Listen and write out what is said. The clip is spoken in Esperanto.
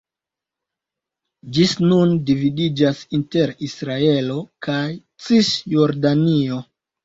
Ĝi nun dividiĝas inter Israelo kaj Cisjordanio.